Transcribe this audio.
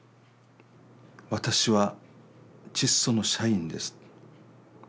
「私はチッソの社員です。